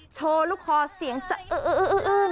โชว์ลูกคอเสียงสะอื้น